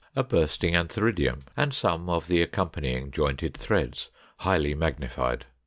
A bursting antheridium, and some of the accompanying jointed threads, highly magnified.